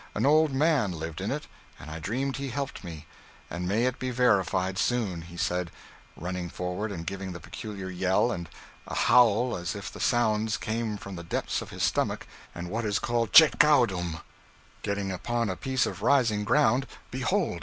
An old man lived in it, and I dreamed he helped me; and may it be verified soon,' he said, running forward and giving the peculiar yell, and a howl as if the sounds came from the depths of his stomach, and what is called checaudum. Getting upon a piece of rising ground, behold!